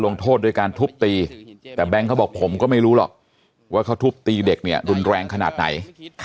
มึงก็บอกผมก็ไม่รู้หรอกว่าเขาทุบตีเด็กเนี่ยรุนแรงขนาดไหน